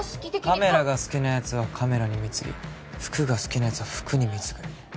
カメラが好きなやつはカメラに貢ぎ服が好きなやつは服に貢ぐ。